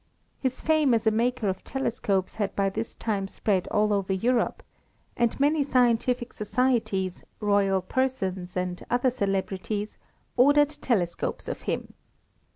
His fame as a maker of telescopes had by this time spread all over Europe, and many scientific societies, royal persons, and other celebrities, ordered telescopes of him.